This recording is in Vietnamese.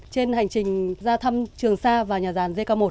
trên hành trình ra thăm trường xa và nhà ràn dk một